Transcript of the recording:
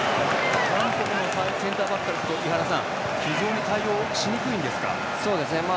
韓国のセンターバックからすると非常に対応しにくいんですか？